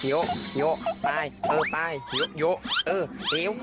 เออโหโหโหไปเออไปโหโหเออ